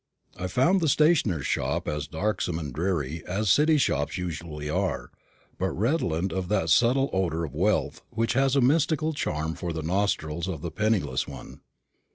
I found the stationer's shop as darksome and dreary as City shops usually are, but redolent of that subtle odour of wealth which has a mystical charm for the nostrils of the penniless one.